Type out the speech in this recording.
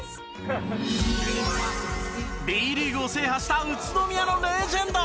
Ｂリーグを制覇した宇都宮のレジェンド！